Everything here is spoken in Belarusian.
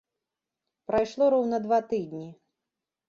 Прайшло роўна два тыдні.